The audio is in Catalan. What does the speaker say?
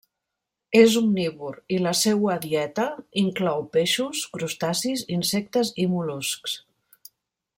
És omnívor i la seua dieta inclou peixos, crustacis, insectes i mol·luscs.